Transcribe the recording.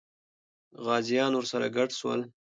غازیان ورسره ګډ سول.